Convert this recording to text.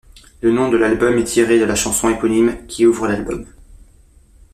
Le nom de l'album est tiré de la chanson éponyme, qui ouvre l'album.